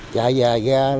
chạy vào là không có ai